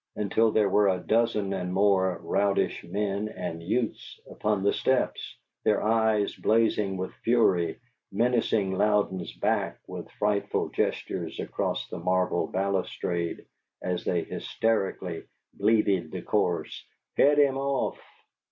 until there were a dozen and more rowdyish men and youths upon the steps, their eyes blazing with fury, menacing Louden's back with frightful gestures across the marble balustrade, as they hysterically bleated the chorus, "HEAD HIM OFF!"